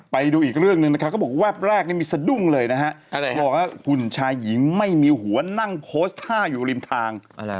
ไปดูอีกเรื่องหนึ่งนะคะเขาบอกแวบแรกนี่มีสะดุ้งเลยนะฮะบอกว่าหุ่นชายหญิงไม่มีหัวนั่งโพสต์ท่าอยู่ริมทาง